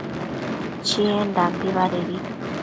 Chiendambi badedi